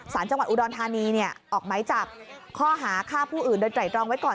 สารจังหวัดอุดรธานีออกไม้จับข้อหาฆ่าผู้อื่นโดยไตรตรองไว้ก่อน